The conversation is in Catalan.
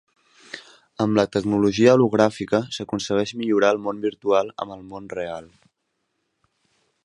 Amb la tecnologia hologràfica s'aconsegueix millorar el món virtual amb el món real.